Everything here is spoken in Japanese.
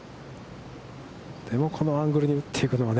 でも、このアングルに打っていくには